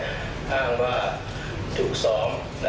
ถูกทำร้ายร่างกายถึงสองครั้ง